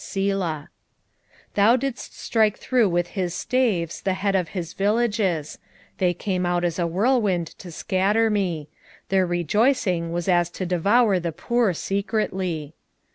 Selah. 3:14 Thou didst strike through with his staves the head of his villages: they came out as a whirlwind to scatter me: their rejoicing was as to devour the poor secretly.